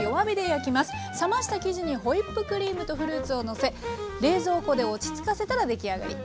冷ました生地にホイップクリームとフルーツをのせ冷蔵庫で落ち着かせたら出来上がり。